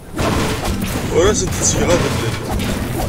Ur asent-ttgeɣ adellel.